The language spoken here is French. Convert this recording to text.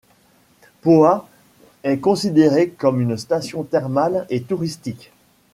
Poá est considérée comme une station thermale et touristique.